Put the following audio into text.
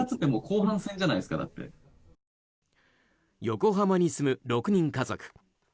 横浜に住む６人家族。